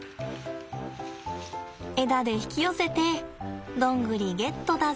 枝で引き寄せてドングリゲットだぜ。